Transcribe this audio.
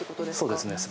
そうですね。